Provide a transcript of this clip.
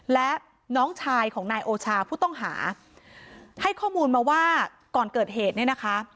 และน้องชายของนายโอชาผู้ต้องหาให้ข้อมูลมาว่าก่อนเกิดเหตุเนี่ยนะคะ